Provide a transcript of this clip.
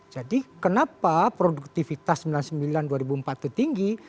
kenapa produktivitas sembilan puluh sembilan dua ribu empat itu tinggi